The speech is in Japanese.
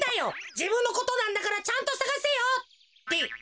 じぶんのことなんだからちゃんとさがせよ！ってえっ？